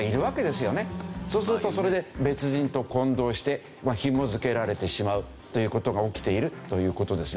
そうするとそれで別人と混同してひも付けられてしまうという事が起きているという事ですね。